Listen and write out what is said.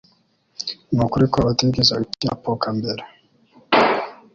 Nukuri ko utigeze ukina poker mbere?